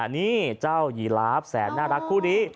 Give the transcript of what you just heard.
นี่เจ้ายีลาฟแสนน่ารักคู่นี้